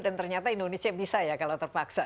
dan ternyata indonesia bisa ya kalau terpaksa